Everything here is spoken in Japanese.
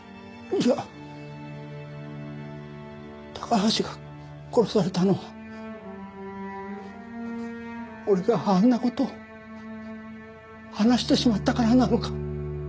じゃあ高橋が殺されたのは俺があんな事を話してしまったからなのか？